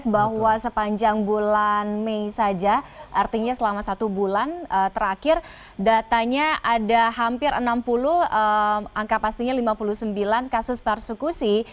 bahwa sepanjang bulan mei saja artinya selama satu bulan terakhir datanya ada hampir enam puluh angka pastinya lima puluh sembilan kasus persekusi